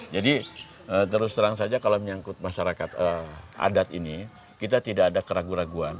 jadi terus terang saja kalau menyangkut masyarakat adat ini kita tidak ada keraguan keraguan